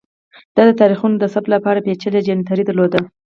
دا د تاریخونو د ثبت لپاره پېچلی جنتري درلوده